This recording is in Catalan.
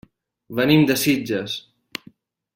Venim de Sitges.